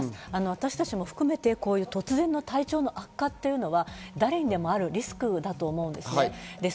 私たちも含めて突然の体調の悪化というのは誰にでもあるリスクだと思うんです。